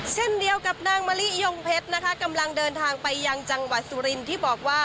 เช่นเดียวกับนางมะลิยงเพชรนะคะกำลังเดินทางไปยังจังหวัดสุรินที่บอกว่า